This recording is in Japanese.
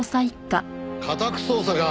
家宅捜査か。